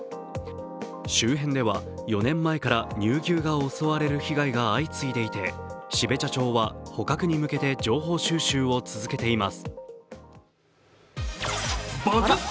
周辺では４年前から乳牛が襲われる被害が相次いでいて標茶町は捕獲に向けて情報収集を続けています。